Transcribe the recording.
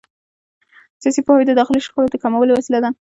سیاسي پوهاوی د داخلي شخړو د کمولو وسیله ده